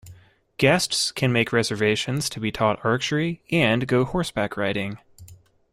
Guests can make reservations to be taught archery and go horseback riding.